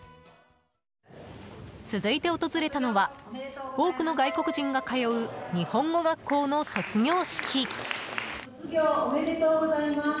続いて訪れたのは多くの外国人が通う日本語学校の卒業式。